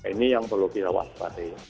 ini yang perlu kita waspada ya